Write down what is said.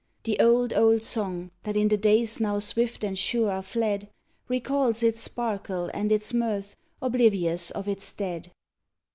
The old, old song that in the days now swift and sure are fled, Recalls its sparkle and its mirth, oblivious of its dead!